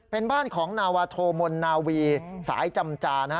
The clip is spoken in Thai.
เป็นบ้านของนาวาโทมนนาวีสายจำจาน